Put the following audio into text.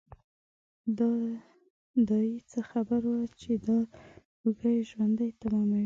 دای څه خبر و چې دا لوګي یې ژوند تماموي.